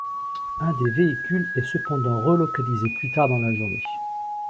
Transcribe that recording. Un des véhicules est cependant relocalisé plus tard dans la journée.